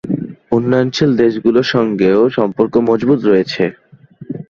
উন্নয়নশীল দেশগুলোর সঙ্গেও সম্পর্ক মজবুত রয়েছে।